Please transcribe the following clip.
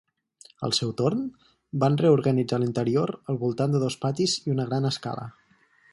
Al seu torn, van reorganitzar l'interior al voltant de dos patis i una gran escala.